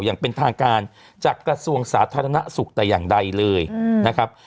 อย่างเป็นทางการจากกระทรวงสาธารณสุขแต่อย่างใดเลยนะครับ